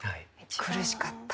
苦しかった。